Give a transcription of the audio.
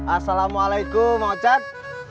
assalamualaikum mang ochar